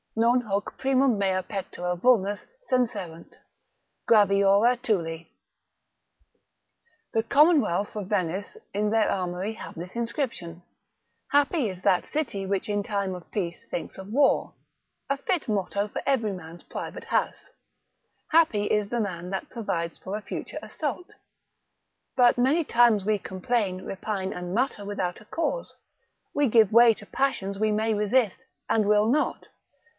———non hoc primum mea pectora vulnus Senserunt, graviora tuli——— The commonwealth of Venice in their armoury have this inscription, Happy is that city which in time of peace thinks of war, a fit motto for every man's private house; happy is the man that provides for a future assault. But many times we complain, repine and mutter without a cause, we give way to passions we may resist, and will not.